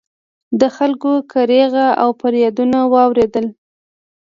د خلکو کریغې او فریادونه واورېدل